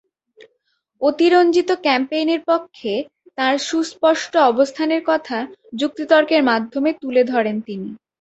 অতিরঞ্জিত ক্যাম্পেইনের পক্ষে তাঁর সুস্পষ্ট অবস্থানের কথা যুক্তিতর্কের মাধ্যমে তুলে ধরেন তিনি।